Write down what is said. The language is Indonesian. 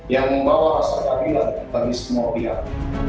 yang membawa hasrat al qadilah bagi semua pihak